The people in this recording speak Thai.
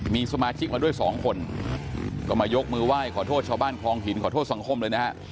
มีสมาชิกมาด้วยสองคนก็มายกมือไหว้ขอโทษชาวบ้านคลองหินขอโทษสังคมเลยนะฮะ